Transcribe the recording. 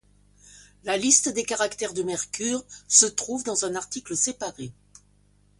La liste des cratères de Mercure se trouve dans un article séparé.